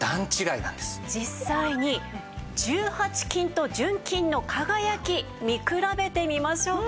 実際に１８金と純金の輝き見比べてみましょうか。